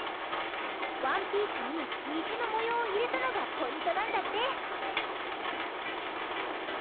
ワンピースににじのもようをいれたのがポイントなんだって！